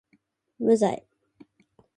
無罪